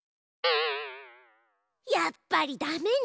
やっぱりダメね。